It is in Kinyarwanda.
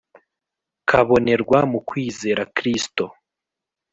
kabonerwa mu kwizera Kristo.